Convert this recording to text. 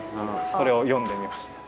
それを詠んでみました。